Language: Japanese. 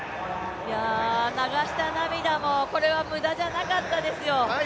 流した涙も、これは無駄じゃなかったですよ。